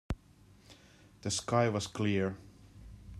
The sky was clear.